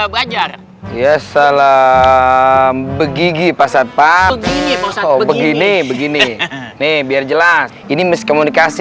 belajar ya salam begigi pasapam begini begini nih biar jelas ini miskomunikasi